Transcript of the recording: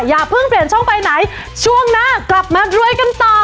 อย่าเพิ่งเปลี่ยนช่องไปไหนช่วงหน้ากลับมารวยกันต่อ